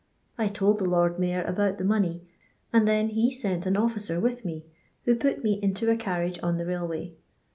I told the Lord Mayor about the money, and then he sent an officer with me, who put me into m carriage on the railway.